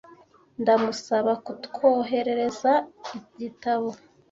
Ndamusaba kutwoherereza igitabo?